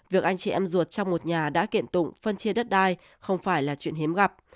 việc anh chị em ruột trong một nhà đã kiện tụng phân chia đất đai không phải là chuyện hiếm gặp